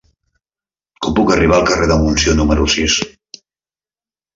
Com puc arribar al carrer de Montsió número sis?